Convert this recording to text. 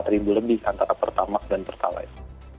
rp empat lebih antara pertamak dan pertalite